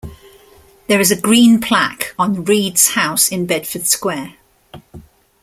There is a green plaque on Reid's house in Bedford Square.